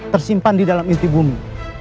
tersimpan di dalam inti bumi